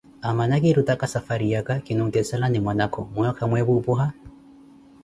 Amana kirutaka safwariyaka, kinuutiselani mwanakhu, mweyo kamweepu opuha?